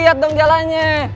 lihat dong jalannya